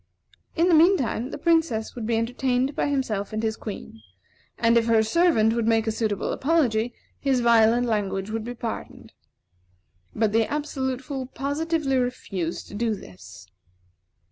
In the mean time, the Princess would be entertained by himself and his Queen; and, if her servant would make a suitable apology, his violent language would be pardoned. But the Absolute Fool positively refused to do this.